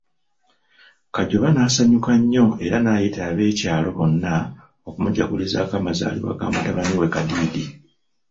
Kajoba n'asanyuka nnyo era nayita ab'ekyalo bonna okumujagulizako amazaalibwa g'amutabani we Kadiidi.